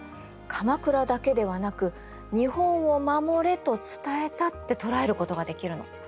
鎌倉だけではなく日本を守れと伝えたって捉えることができるの。